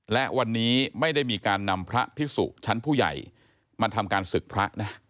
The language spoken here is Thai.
และวันนี้ไม่ได้มีการนำพระพิสุชั้นผู้ใหญ่มาทำการศึกพระนะ